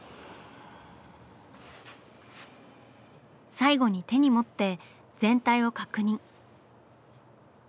最後に手に持って全体を確認。